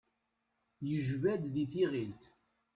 Yejba-d di tiɣilt.